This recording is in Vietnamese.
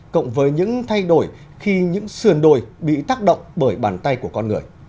cộng với những thay đổi khi những sườn đồi bị tác động bởi bàn tay của con người